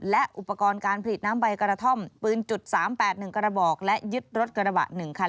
และอุปกรณ์การผลิตน้ำใบกระท่อมปืน๓๘๑กระบอกและยึดรถกระบะ๑คัน